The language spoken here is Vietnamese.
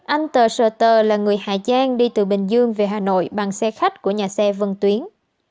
anh tờ sờ tờ là người hà giang đi từ bình dương về hà nội bằng xe khách của nhà xe vân tuyến